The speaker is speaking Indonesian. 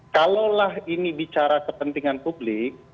kalaulah ini bicara kepentingan publik